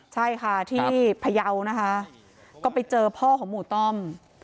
ใช่ค่ะที่พยาวนะคะก็ไปเจอพ่อของหมู่ต้อม